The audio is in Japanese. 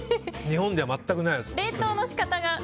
日本では全くないです。